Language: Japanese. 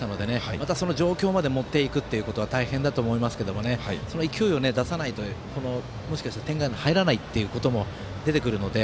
またその状況まで持っていくっていうことは大変だと思いますけれどもその勢いを出さないともしかして点が入らないってことも出てくるので。